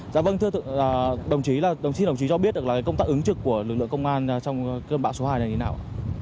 dạ vâng thưa thượng đồng chí đồng chí cho biết công tác ứng trực của lực lượng công an trong cơn bão số hai này như thế nào